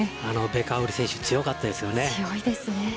ベカウリ選手強かったですね。